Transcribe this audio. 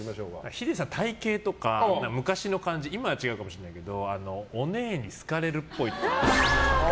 ヒデさん、体形とか昔の感じが今は違うかもしれないけどオネエに好かれるっぽい。